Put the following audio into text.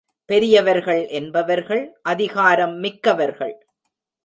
பெரியவர்கள் என்பவர்கள் அதிகாரம் மிக்கவர்கள்.